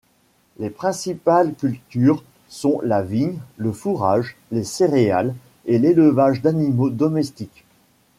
Les principales cultures sont la vigne, le fourrage, les céréales et l’élevage d’animaux domestiques.